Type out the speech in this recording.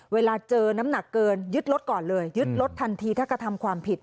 เวลาเจอน้ำหนักเกินยึดรถก่อนเลยยึดรถทันทีถ้ากระทำความผิด